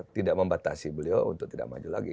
tidak membatasi beliau untuk tidak maju lagi